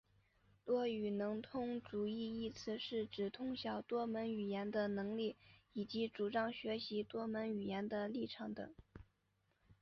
多语能通主义一词是指通晓多门语言的能力以及主张学习多门语言的立场等。